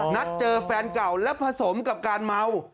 นัดเจอแฟนเก่าและผสมกับการเมา